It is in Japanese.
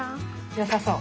よさそう？